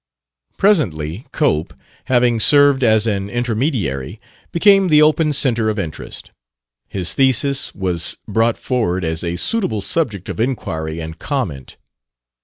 Presently Cope, having served as an intermediary, became the open centre of interest. His thesis was brought forward as a suitable subject of inquiry and comment.